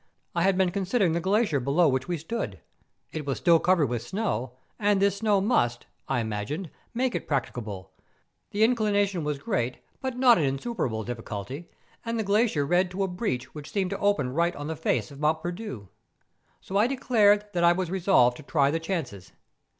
I had been considering the glacier below which we stood. It was still covered with snow ; and this snow must, I imagined, make it practicable; the inclination was great, but not an insuperable difficulty; and the glacier led to a breach which seemed to open right on the face of Mont Perdu. So I declared that I was resolved to try the chances.